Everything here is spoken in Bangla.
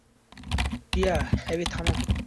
প্রিয়া, অ্যাবি, থামো।